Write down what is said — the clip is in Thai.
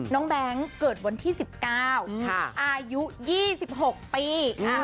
แบงค์เกิดวันที่๑๙อายุ๒๖ปี